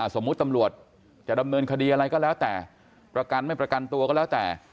สมมุติตำรวจจะดำเนินคดีอะไรก็แล้วแต่ประกันไม่ประกันตัวก็แล้วแต่